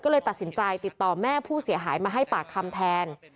ก็เลยตัดสินใจติดต่อแม่ผู้เสียหายมาให้ปากคำแทน